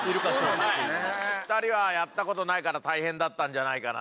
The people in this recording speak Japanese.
２人はやったことないから大変だったんじゃないかなと。